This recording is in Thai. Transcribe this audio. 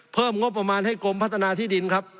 เพิ่มงบประมาณให้กรมพัฒนาที่ดินครับ